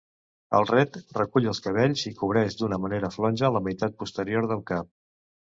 El ret recull els cabells i cobreix d'una manera flonja la meitat posterior del cap.